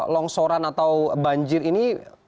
longsoran atau banjir ini